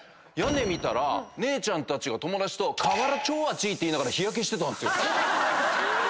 姉ちゃんたちが友達と「瓦超あちぃ」って言いながら日焼けしてたんですよ。